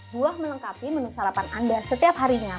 buah melengkapi menu sarapan anda setiap harinya